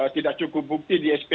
tidak cukup bukti di sp tiga